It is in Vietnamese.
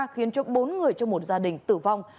khiến cho bốn người trong một gia đình tử vong